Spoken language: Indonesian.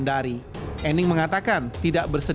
tidak bersedia untuk mencari penyelenggaraan yang menarik di surabaya